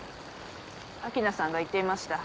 秋菜さんが言っていました。